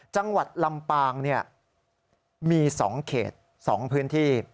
จังหวัดลำปางมี๒เขต๒พื้นที่